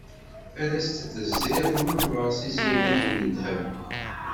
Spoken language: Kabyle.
Ad as-d-tezziḍ meṛṛa s izirig n ddheb.